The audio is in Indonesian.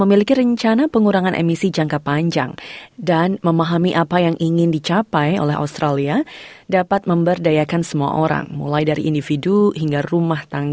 emisi nol bersih berarti mencapai keseimbangan keseluruhan